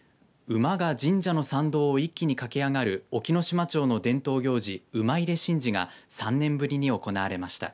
馬が神社の参道を一気に駆け上がる隠岐の島町の伝統行事、馬入れ神事が３年ぶりに行われました。